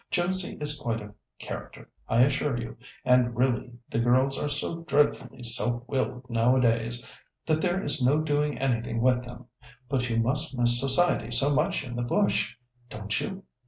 Josie is quite a character, I assure you, and really the girls are so dreadfully self willed nowadays, that there is no doing anything with them. But you must miss society so much in the bush! Don't you?